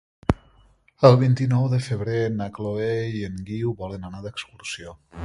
El vint-i-nou de febrer na Chloé i en Guiu volen anar d'excursió.